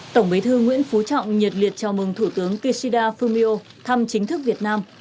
tổng bí thư nguyễn phú trọng nhiệt liệt chào mừng thủ tướng kishida fumio thăm chính thức việt nam